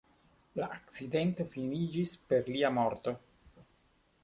La akcidento finiĝis per lia morto.